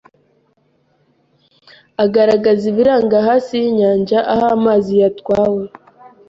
agaragaza ibiranga hasi yinyanja aho amazi yatwawe